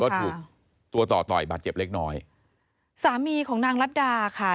ก็ถูกตัวต่อต่อยบาดเจ็บเล็กน้อยสามีของนางรัฐดาค่ะ